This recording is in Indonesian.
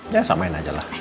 ya samain aja lah